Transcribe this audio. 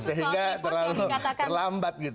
sehingga terlalu terlambat gitu